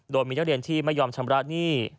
โดยมีนักเรียนที่ไม่ยอมชำระหนี้